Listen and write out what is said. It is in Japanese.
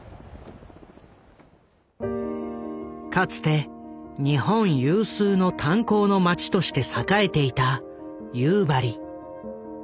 かつて日本有数の炭鉱の町として栄えていた夕張。